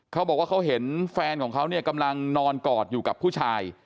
เขาบอกว่าเขาเห็นแฟนของเขาเนี่ยกำลังนอนกอดอยู่กับผู้ชาย